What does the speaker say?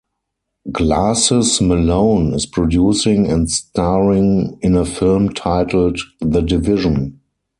Glasses Malone is producing and starring in a film titled "The Division".